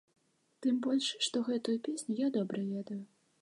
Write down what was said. Тым больш, што гэтую песню я добра ведаю.